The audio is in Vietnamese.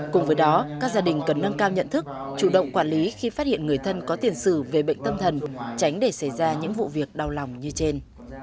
cùng với đó các gia đình cần nâng cao nhận thức chủ động quản lý khi phát hiện người thân có tiền sử về bệnh tâm thần tránh để xảy ra những vụ việc đau lòng như trên